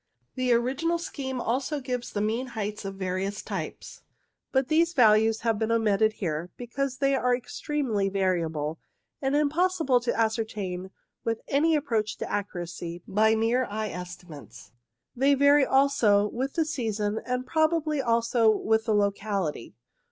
The original scheme also gives the mean heights of the various types, but these values have been omitted here because they are extremely variable, and impos sible to ascertain with any approach to accuracy by mere eye estimates. They vary also with the season, and probably also with the locality.